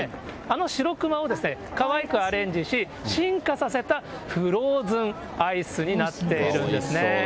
あのしろくまを、かわいくアレンジし、進化させた、フローズンアイスになっているんですね。